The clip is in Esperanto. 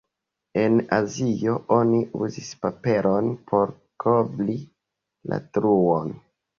En Azio oni uzis paperon por kovri la truon.